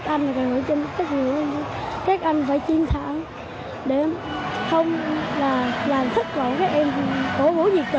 cảm ơn các bạn đã theo dõi